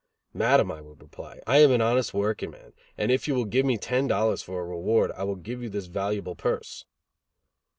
"Madam," I would reply, "I am an honest workingman, and if you will give me ten dollars for a reward, I will give you this valuable purse."